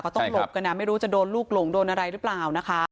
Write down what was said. เขาต้องหลบกันไม่รู้จะโดนลูกหลงโดนอะไรหรือเปล่านะคะ